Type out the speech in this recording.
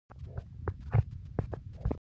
زه مازديګر بېرته راځم.